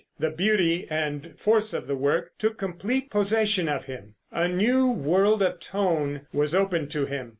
The beauty and force of the work took complete possession of him. A new world of tone was opened to him.